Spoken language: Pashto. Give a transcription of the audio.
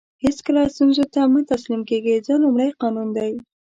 هیڅکله ستونزو ته مه تسلیم کېږئ دا لومړی قانون دی.